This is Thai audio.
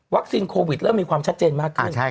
โควิดเริ่มมีความชัดเจนมากขึ้น